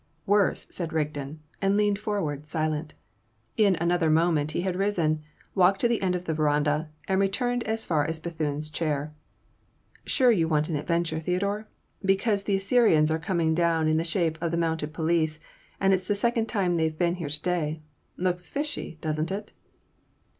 "Worse," said Rigden, and leaned forward, silent. In another moment he had risen, walked to the end of the verandah, and returned as far as Bethune's chair. "Sure you want an adventure, Theodore? Because the Assyrians are coming down in the shape of the mounted police, and it's the second time they've been here to day. Looks fishy, doesn't it?"